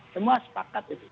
semua sepakat itu